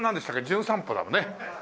『じゅん散歩』だよね。